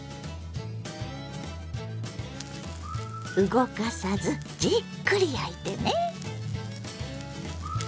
動かさずじっくり焼いてね。